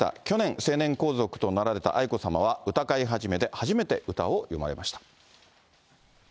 去年、成年皇族となられた愛子さまは歌会始で初めて歌を詠まれました。